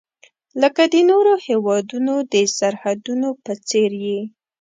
لکه د نورو هیوادونو د سرحدونو په څیر یې.